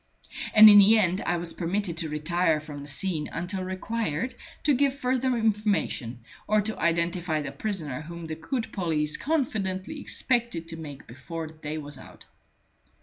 And in the end I was permitted to retire from the scene until required to give further information, or to identify the prisoner whom the good police confidently expected to make before the day was out.